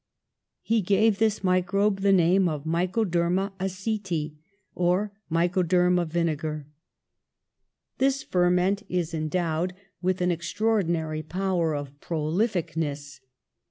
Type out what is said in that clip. He gave this microbe the name of mycoderma aceti, or mycoderm of vinegar. This ferment is endowed with 76 PASTEUR an extraordinary power of prolificness.